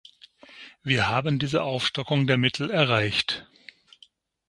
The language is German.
Wir haben diese Aufstockung der Mittel erreicht.